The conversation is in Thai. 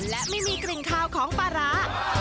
และไม่มีกลิ่นคาวของปลาร้า